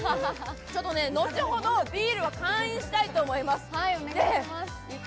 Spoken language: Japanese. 後ほどビールは完飲したいと思います。